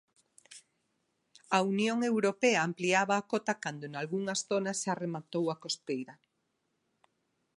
A Unión europea ampliaba a cota cando nalgunhas zonas xa rematou a costeira.